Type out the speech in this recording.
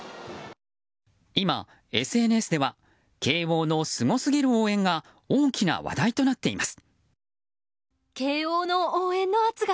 今、ＳＮＳでは慶応のすごすぎる応援が大きな話題となっています。